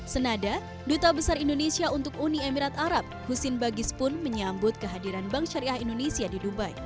senada duta besar indonesia untuk uni emirat arab husin bagis pun menyambut kehadiran bank syariah indonesia di dubai